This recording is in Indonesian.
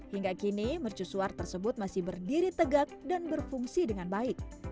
hingga kini mercusuar tersebut masih berdiri tegak dan berfungsi dengan baik